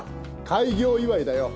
開業祝いだよ。